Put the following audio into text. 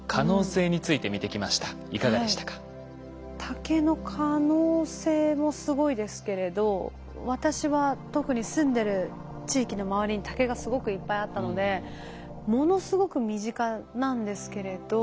竹の可能性もすごいですけれど私は特に住んでる地域の周りに竹がすごくいっぱいあったのでものすごく身近なんですけれど。